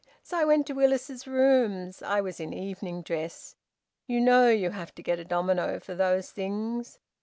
So I went to Willis's Rooms. I was in evening dress. You know you have to get a domino for those things.